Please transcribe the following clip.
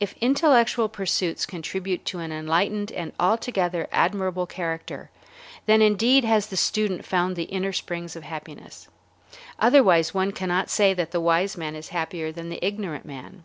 If intellectual pursuits contribute to an enlightened and altogether admirable character, then indeed has the student found the inner springs of happiness. Otherwise one cannot say that the wise man is happier than the ignorant man.